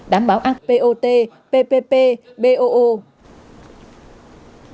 đảm bảo an toàn